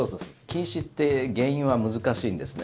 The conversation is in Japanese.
近視って原因は難しいんですね。